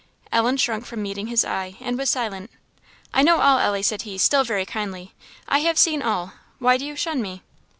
Ellen shrunk from meeting his eye, and was silent. "I know all, Ellie, said he, still very kindly "I have seen all why do you shun me?"